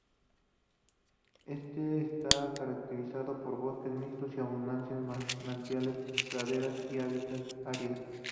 Este está caracterizado por bosques mixtos y abundancia de manantiales, pradera y hábitats áridas.